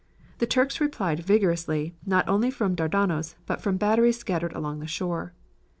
The Turks replied vigorously, not only from Dardanos but from batteries scattered along the shore.